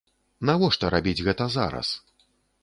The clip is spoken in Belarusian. Навошта рабіць гэта зараз?